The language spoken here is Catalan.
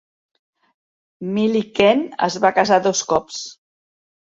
Milliken es va casar dos cops.